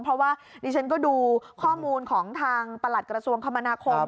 เพราะว่าดิฉันก็ดูข้อมูลของทางประหลัดกระทรวงคมนาคม